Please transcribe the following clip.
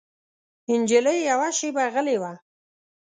نجلۍ يوه شېبه غلې وه.